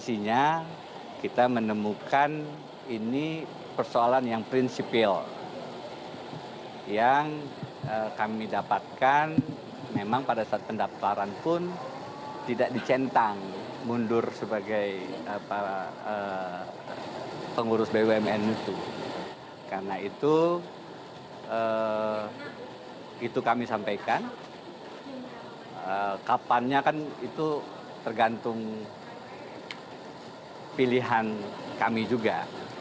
itu kami sampaikan kapannya kan itu tergantung pilihan kami juga